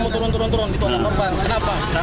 beruntung tak ada korban jiwa dalam peristiwa ini